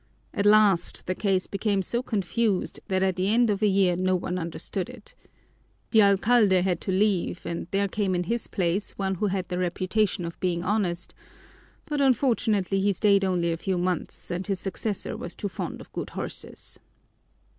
At last the case became so confused that at the end of a year no one understood it. The alcalde had to leave and there came in his place one who had the reputation of being honest, but unfortunately he stayed only a few months, and his successor was too fond of good horses.